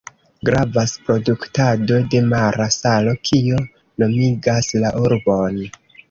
Gravas produktado de mara salo, kio nomigas la urbon.